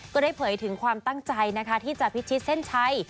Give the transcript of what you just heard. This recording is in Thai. เผยถึงความตั้งใจนะคะที่จะพิชิตเส้นชัย